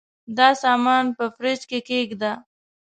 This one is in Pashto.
دا سامان په فریج کي کښېږده.